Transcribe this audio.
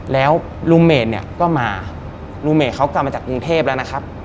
แล้วลุงเมดเนี่ยก็มาลุงเมดเขากลับมาจากกรุงเทพแล้วนะครับ